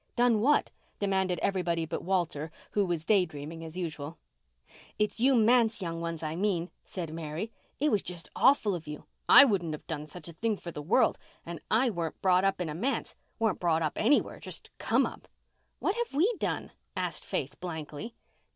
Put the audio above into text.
"Done what?" demanded everybody but Walter, who was day dreaming as usual. "It's you manse young ones, I mean," said Mary. "It was just awful of you. I wouldn't have done such a thing for the world, and I weren't brought up in a manse—weren't brought up anywhere—just come up." "What have we done?" asked Faith blankly.